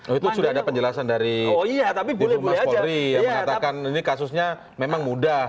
oh itu sudah ada penjelasan dari bulu mas polri yang mengatakan ini kasusnya memang mudah